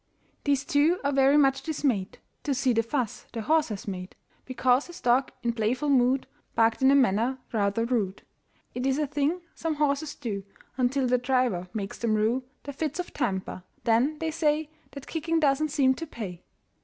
These two are very much dismayed To see the fuss their horse has made Because this dog in playful mood Barked in a manner rather rude. It is a thing some horses do Until the driver makes them rue Their fits of temper. Then they say That kicking doesn't seem to pay.